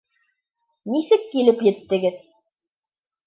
Нисек килеп еттегеҙ?